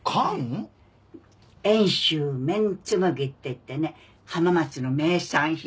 遠州綿紬っていってね浜松の名産品。